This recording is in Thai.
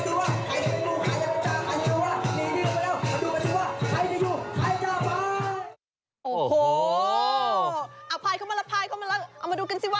และล่ะอาจมันเป็นการแข่งขันขันซัทอลภัยรุ่นดูกัน